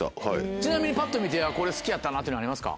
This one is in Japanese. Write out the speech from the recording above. ちなみにパッと見てこれ好きやったなっていうのありますか？